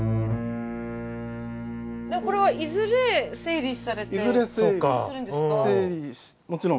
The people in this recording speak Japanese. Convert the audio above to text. これはいずれ整理されてするんですか？